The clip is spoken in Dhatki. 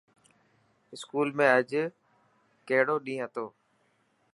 اسڪول ۾ اڄ ڪهڙو ڏينهن هتو.